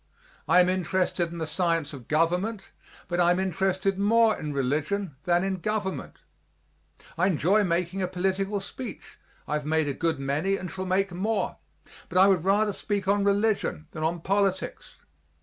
I am interested in the science of government, but I am interested more in religion than in government. I enjoy making a political speech I have made a good many and shall make more but I would rather speak on religion than on politics.